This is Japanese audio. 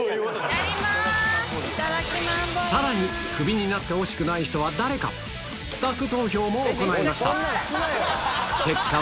さらにクビになってほしくない人は誰か、スタッフ投票も行いました。